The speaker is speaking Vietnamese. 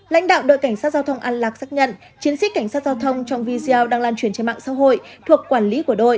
lãnh đạo đội cảnh sát giao thông an lạc xác nhận chiến sĩ cảnh sát giao thông trong video đang lan truyền trên mạng xã hội thuộc quản lý của đội